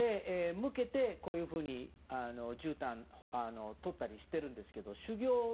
こういうふうに、じゅうたんをとったりしてるんですけど。